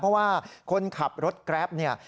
เพราะว่าคนขับรถแกรปเนี่ย